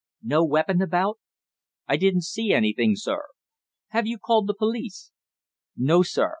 "No weapon about?" "I didn't see anything, sir." "Have you called the police?" "No, sir.